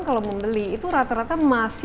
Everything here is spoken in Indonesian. kalau membeli itu rata rata masih